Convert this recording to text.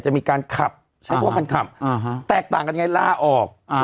จะมีการขับใช้พวกคันขับแตกต่างกันไงล่าออก